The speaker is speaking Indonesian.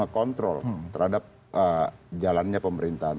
kontrol terhadap jalannya pemerintahan